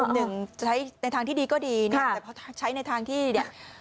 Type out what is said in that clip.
หนึ่งใช้ในทางที่ดีก็ดีเนี่ยแต่พอใช้ในทางที่เนี่ย